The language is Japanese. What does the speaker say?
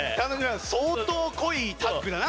相当濃いタッグだなって。